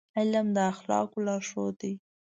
علم د اخلاقو لارښود دی.